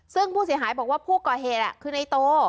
ซึ่งผู้เสียหายบอกว่าผู้ก่อเหตุคือในโต